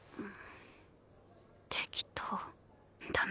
適当ダメ。